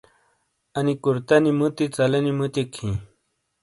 انی کُرتنی مُتی ژلینی مُتیک ہِیں۔